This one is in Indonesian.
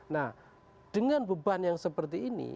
nah dengan beban yang seperti ini